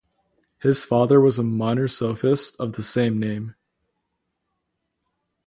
His father was a minor sophist of the same name.